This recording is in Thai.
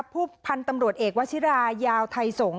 พันธุ์ตำรวจเอกวชิรายาวไทยสงฆ